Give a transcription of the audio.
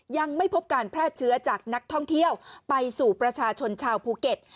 ยังไม่พบการแพร่เชื้อจากนักท่องเที่ยวไปสู่ประชาชนชาวภูเก็ต